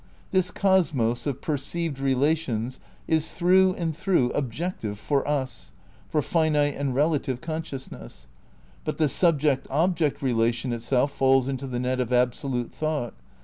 This cosmos of perceived relations is through and through "objective" for us, for finite and relative consciousness ; but the subject object relation itself falls into the net of Absolute thought.